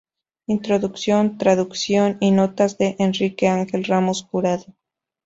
Introducción, traducción y notas de Enrique Ángel Ramos Jurado.